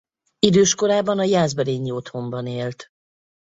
Idős korában a jászberényi otthonban élt.